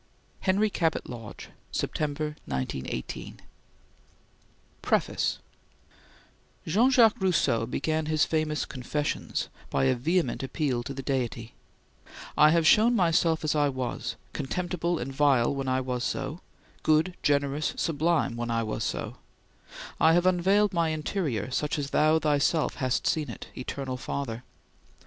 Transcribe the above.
HENRY CABOT LODGE September, 1918 PREFACE JEAN JACQUES ROUSSEAU began his famous Confessions by a vehement appeal to the Deity: "I have shown myself as I was; contemptible and vile when I was so; good, generous, sublime when I was so; I have unveiled my interior such as Thou thyself hast seen it, Eternal Father!